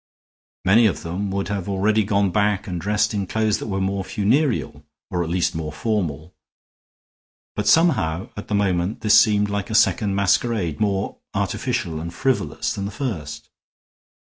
Many of them would have already gone back and dressed in clothes that were more funereal or at least more formal. But somehow at the moment this seemed like a second masquerade, more artificial and frivolous than the first.